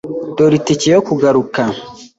Dore itike yo kugaruka.